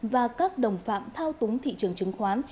và các đồng phạm thao túng thị trường chứng khoán